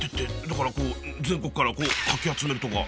だから全国からかき集めるとか。